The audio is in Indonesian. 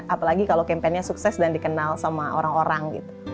apalagi kalau campaignnya sukses dan dikenal sama orang orang